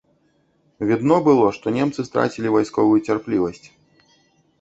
Відно было, што немцы страцілі вайсковую цярплівасць.